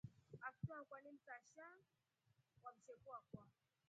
Aftyo akwaa ni msasha wa msheku akwa.